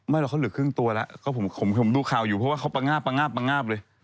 ไม่เหรอเขาเหลือครึ่งตัวแล้วก็ผมดูข่าวอยู่เพราะว่าเขาประงาบเลย